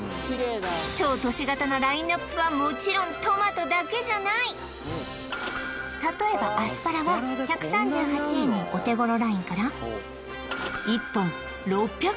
超都市型のラインナップはもちろんトマトだけじゃない例えばアスパラは１３８円のお手頃ラインから１本６４４円